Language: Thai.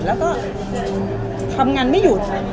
แล้วก็ทำงานไม่หยุด